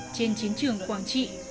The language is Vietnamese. trên chiến trường quảng trị